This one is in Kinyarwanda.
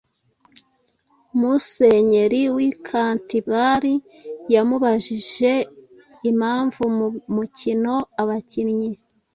Musenyeri w’i Kantibari yamubajije impamvu mu mukino abakinnyi